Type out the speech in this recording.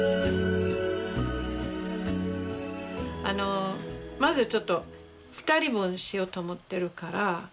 あのまずちょっと２人分しようと思ってるから。